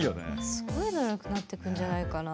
すごいのになってくんじゃないかな。